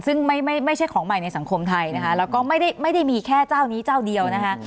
ซึ่งไม่ใช่ของใหม่ในสังคมไทยนะคะแล้วก็ไม่ได้มีแค่เจ้านี้เจ้าเดียวนะคะ